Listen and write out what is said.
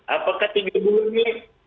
apakah tiga bulannya